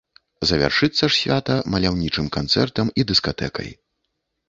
Завершыцца ж свята маляўнічымі канцэртам і дыскатэкай.